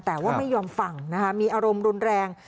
แต่ว่าไม่ยอมฟังนะคะมีอารมณ์รุนแรง